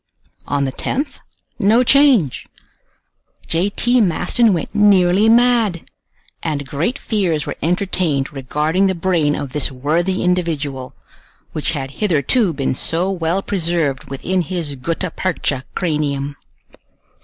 On the 10th, no change! J. T. Maston went nearly mad, and great fears were entertained regarding the brain of this worthy individual, which had hitherto been so well preserved within his gutta percha cranium.